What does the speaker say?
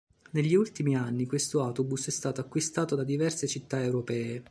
Negli ultimi anni, questo autobus è stato acquistato da diverse città europee.